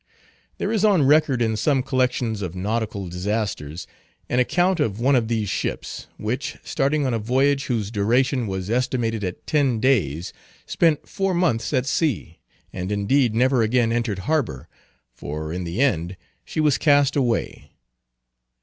There is on record in some collections of nautical disasters, an account of one of these ships, which, starting on a voyage whose duration was estimated at ten days, spent four months at sea, and indeed never again entered harbor, for in the end she was cast away.